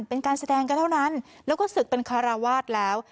เป็นการแสดงก็เท่านั้นแล้วก็ศึกเป็นคาราวาสแล้ว